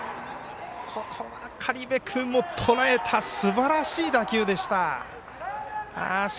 ここは苅部君も、とらえたすばらしい打球でした。